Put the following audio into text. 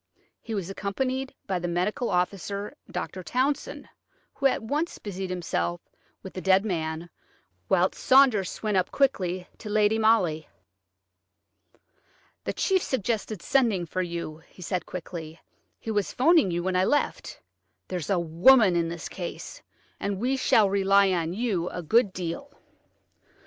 He was accompanied by the medical officer, Dr. Townson, who at once busied himself with the dead man, whilst Saunders went up quickly to Lady Molly. "The chief suggested sending for you," he said quickly; "he was 'phoning you when I left. There's a woman in this case, and we shall rely on you a good deal."